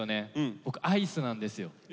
僕アイスなんですよ。